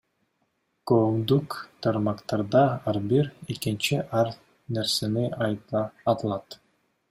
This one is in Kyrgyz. Коомдук тармактарда ар бир экинчи ар нерсени айта алат.